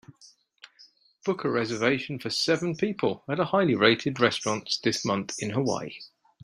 Book a reservation for seven people at a highly rated restaurant this month in Hawaii